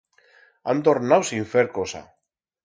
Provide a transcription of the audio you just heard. Han tornau sin fer cosa.